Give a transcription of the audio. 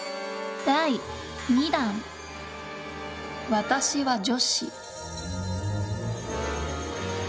私は女子。